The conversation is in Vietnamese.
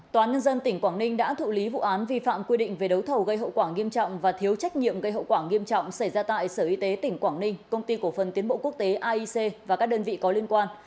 tòa nhân dân tỉnh quảng ninh đã thụ lý vụ án vi phạm quy định về đấu thầu gây hậu quả nghiêm trọng và thiếu trách nhiệm gây hậu quả nghiêm trọng xảy ra tại sở y tế tỉnh quảng ninh công ty cổ phần tiến bộ quốc tế aic và các đơn vị có liên quan